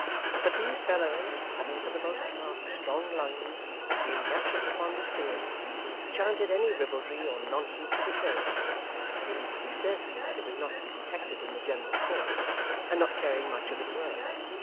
But these fellows having for the most part strong lungs, and being naturally fond of singing, chanted any ribaldry or nonsense that occurred to them, feeling pretty certain that it would not be detected in the general chorus, and not caring much if it were.